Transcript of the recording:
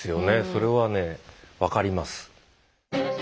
それはね分かります。